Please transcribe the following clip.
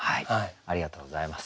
ありがとうございます。